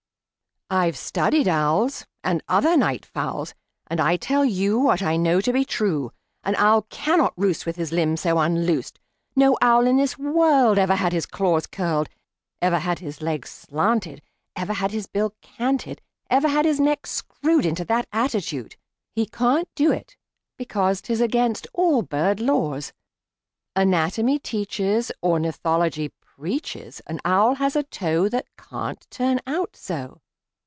"I've studied owls, And other night fowls, And I tell you What I know to be true: An owl cannot roost With his limbs so unloosed; No owl in this world Ever had his claws curled, Ever had his legs slanted, Ever had his bill canted, Ever had his neck screwed Into that attitude. He can't do it, because 'T is against all bird laws. Anatomy teaches, Ornithology preaches An owl has a toe That can't turn out so!